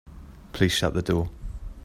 Please shut the door.